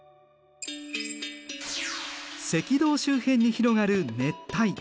赤道周辺に広がる熱帯。